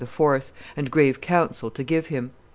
and grave counsel to give him.